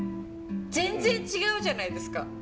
全然違うじゃないですか。